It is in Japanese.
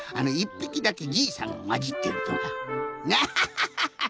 ぴきだけじいさんがまじってるとかハハハハ！